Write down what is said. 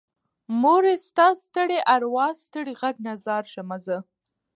مورې ستا ستړي ارواه ستړې غږ نه ځار شمه زه